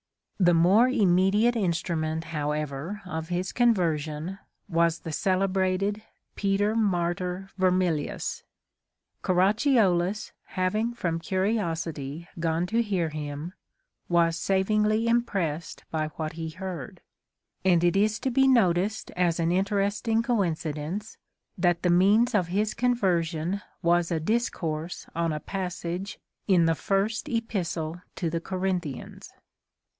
The more immediate instrument, how ever, of his conversion, was the celebrated Peter Martyr Vermilius. Caracciolus having from curiosity gone to hear him, was savingly impressed by what he heard ; and it is to be noticed as an interesting coincidence, that the means of his conversion was a discourse on a passage in the First Epistle to the Corinthians.